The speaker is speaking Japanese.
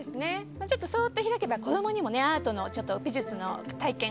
そっと開けば子供にもアートの技術の体験